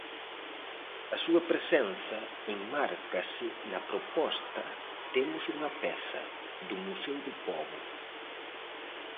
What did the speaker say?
A súa presenza enmárcase na proposta 'Temos unha peza' do Museo do Pobo.